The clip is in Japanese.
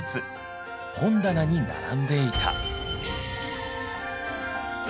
本棚に並んでいた。